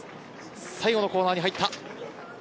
最後のコーナーに入った。